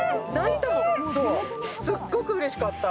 すっごくうれしかった。